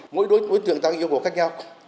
mỗi đối tượng ta yêu cầu khác nhau